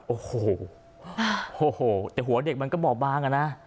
โอ้โหโอ้โหแต่หัวเด็กมันก็บอบบางอ่ะนะ